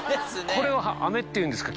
これは雨っていうんですか？